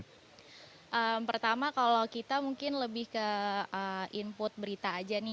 pertama kalau kita mungkin lebih ke input berita aja